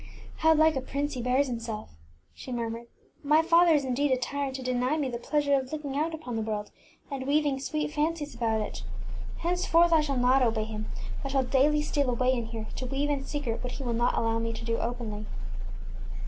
ŌĆśHow like a prince he Ht)z flflJfabersf bears himself ! ŌĆÖ she mur mured. ŌĆśMy father is in deed a tyrant to deny me the pleasure of looking out upon the world and weaving sweet fancies about it. Henceforth I shall not obey him, but shall daily steal away in here, to weave in secret what he will not allow me to do openly.